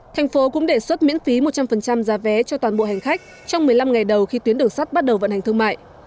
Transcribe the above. thành phố cũng đề xuất miễn phí một trăm linh giá vé cho toàn bộ hành khách trong một mươi năm ngày đầu khi tuyến đường sắt bắt đầu vận hành thương mại